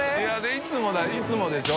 いいつもでしょ？